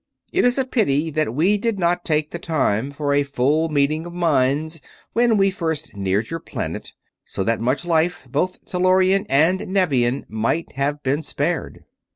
It is a pity that we did not take the time for a full meeting of minds when we first neared your planet, so that much life, both Tellurian and Nevian, might have been spared.